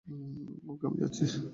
ওকে, আমি যাচ্ছি।